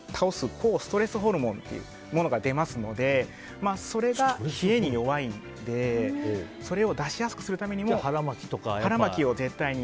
抗ストレスホルモンが出ますのでそれが冷えに弱いのでそれを出しやすくするためにも腹巻きを絶対に。